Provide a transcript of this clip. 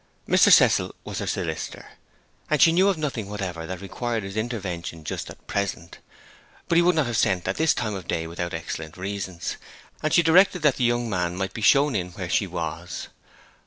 Mr. Cecil was her solicitor, and she knew of nothing whatever that required his intervention just at present. But he would not have sent at this time of day without excellent reasons, and she directed that the young man might be shown in where she was.